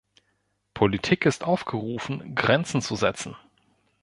Politik ist aufgerufen, Grenzen zu setzen.